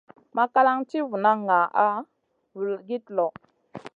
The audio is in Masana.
Makalan ti vunan ŋaʼa vulgit lõ.